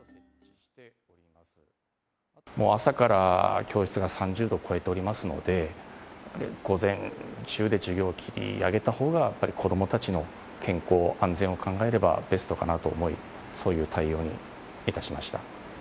朝から教室が３０度を超えておりますので、午前中で授業切り上げたほうがやっぱり子どもたちの健康、安全を考えればベストかなと思い、そういう対応にいたしました。